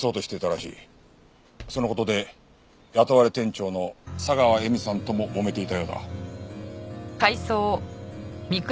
その事で雇われ店長の佐川瑛美さんとももめていたようだ。